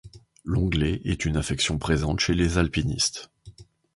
L'onglée est une affection présente chez les alpinistes.